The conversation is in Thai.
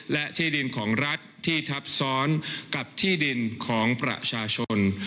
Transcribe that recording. และที่ดินของรัฐที่ทับซ้อนกับที่ดินของประชาชน